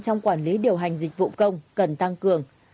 trong quản lý điều hành dịch vụ công cần tăng cường